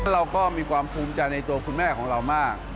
เราก็มีความภูมิใจในตัวคุณแม่ของเรามาก